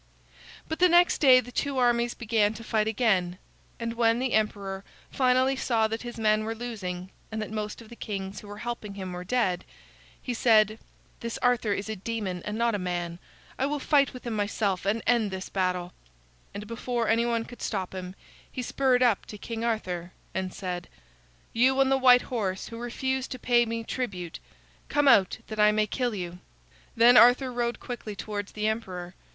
But the next day the two armies began to fight again, and when the emperor finally saw that his men were losing and that most of the kings who were helping him were dead, he said: "This Arthur is a demon and not a man. I will fight with him myself and end this battle." And before any one could stop him, he spurred up to King Arthur and said: "You on the white horse who refuse to pay me tribute, come out that I may kill you." Then Arthur rode quickly towards the emperor.